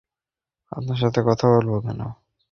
আমি আপনার সাথে কথা বলবো কেন?